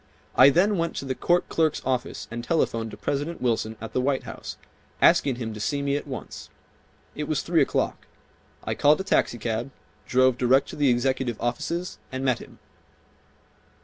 I then went to the court clerk's office and telephoned to President Wilson at the Whit House, asking him to see me at once. It was three o'clock. I called a taxicab, drove direct to the executive offices and met him.